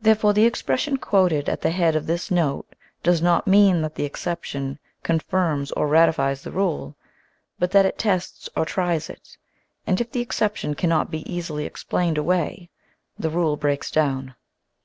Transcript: Therefore the expression quoted at the head of this note does not mean that the exception confirms or ratifies the rule, but that it tests or tries it, and if the exception cannot be easily explained away, the rule breaks down.